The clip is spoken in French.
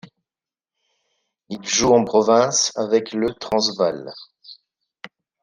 Il joue en province avec le Transvaal.